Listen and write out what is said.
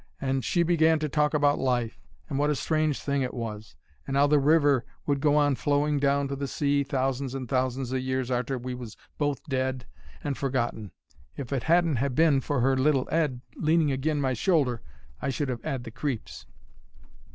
And she began to talk about Life, and wot a strange thing it was; and 'ow the river would go on flowing down to the sea thousands and thousands o' years arter we was both dead and forgotten. If it hadn't ha' been for her little 'ead leaning agin my shoulder I should have 'ad the creeps.